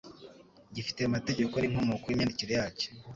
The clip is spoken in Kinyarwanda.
gifite amategeko n'inkomoko y'imyandikire yacyo